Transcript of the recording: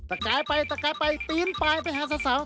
กายไปตะกายไปตีนไปไปหาสาว